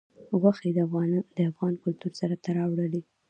غوښې د افغان کلتور سره تړاو لري.